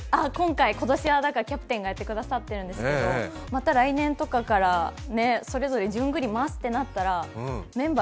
今年はキャプテンがやってくださっているんですけど、また来年とかから、それぞれ順繰りに回すとなったらメンバー